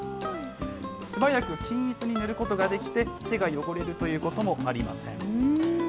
素早く均一に塗ることができて、手が汚れるということもありません。